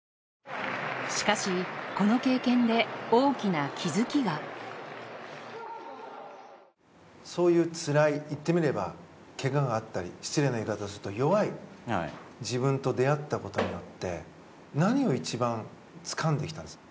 しかし、この経験で大きな気づきがそういうつらい言ってみればケガがあったり失礼な言い方すると弱い自分と出会った事によって何を一番つかんできたんですか？